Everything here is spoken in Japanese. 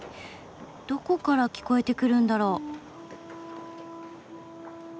どこから聞こえてくるんだろう？